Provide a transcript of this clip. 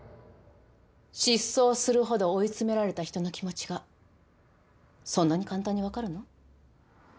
失踪するほど追い詰められた人の気持ちがそんなに簡単に分かるの？